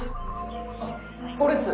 あっ俺っす！